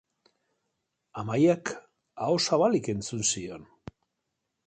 Amaiak aho zabalik entzun zion.